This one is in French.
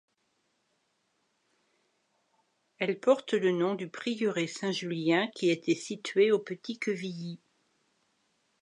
Elle porte le nom du prieuré Saint-Julien qui était situé au Petit-Quevilly.